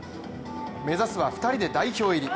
目指すは２人で代表入り。